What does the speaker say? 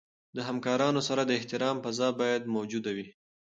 د همکارانو سره د احترام فضا باید موجوده وي.